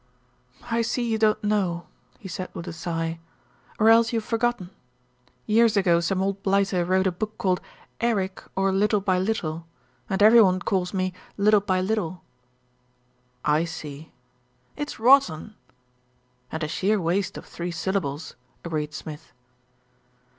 "I see you don't know," he said with a sigh, "or else you've forgotten. Years ago some old blighter wrote a book called Eric, or Little by Little, and every one calls me 'Little by Little.' " "I see." "It's rotten." "And a sheer waste of three syllables," agreed Smith.